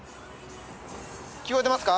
聴こえてますか？